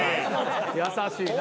優しいな。